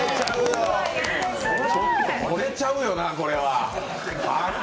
ほれちゃうよな、これは。